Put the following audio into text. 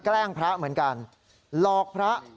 สายลูกไว้อย่าใส่